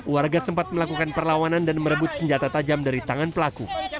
warga sempat melakukan perlawanan dan merebut senjata tajam dari tangan pelaku